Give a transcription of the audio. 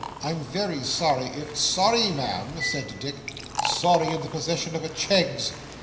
'I'm very sorry if ' 'Sorry, Ma'am!' said Dick, 'sorry in the possession of a Cheggs!